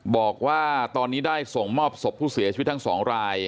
บอกว่าตอนนี้ได้ส่งมอบศพผู้เสียชีวิตทั้ง๒ราย